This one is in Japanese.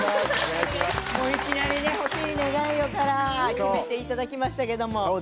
いきなり「星に願いを」から決めていただきましたが。